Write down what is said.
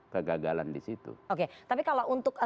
kegagalan di situ oke tapi kalau untuk